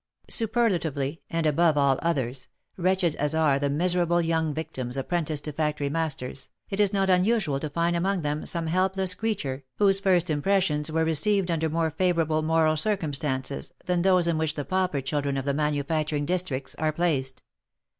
Superlatively, and above all others, wretched as are the miserable young victims apprenticed to factory masters, it is not unusual to find among them some helpless creature, whose first impressions were received under more favourable moral circumstances, than those in which the pauper children of the manufacturing districts are placed.